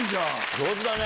上手だね。